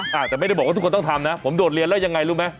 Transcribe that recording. แต่ไม่ได้บอกว่าทุกคนต้องทำนะผมโดดเรียนแล้วยังไงรู้ไหม